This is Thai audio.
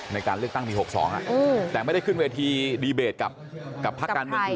ในการเลือกตั้งปี๖๒แต่ไม่ได้ขึ้นเวทีดีเบตกับพักการเมืองคุณ